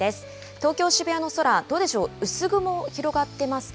東京・渋谷の空、どうでしょう、薄雲広がってますか？